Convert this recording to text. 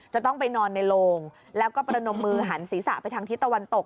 จะต้องไปนอนในโลงแล้วก็ประนมมือหันศีรษะไปทางทิศตะวันตก